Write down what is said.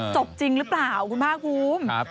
จบจริงหรือเปล่าคุณพ่อคุ้ม